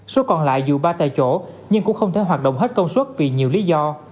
số còn lại dù ba tại chỗ nhưng cũng không thể hoạt động hết công suất vì nhiều lý do